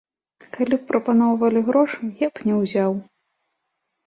Калі б прапаноўвалі грошы я б не ўзяў.